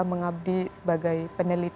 program tasks pem begini